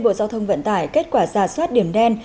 bộ giao thông vận tải kết quả giả soát điểm đen